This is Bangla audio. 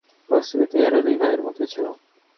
বাস্তবিক ইহারা দুই ভাইয়ের মতোই ছিল।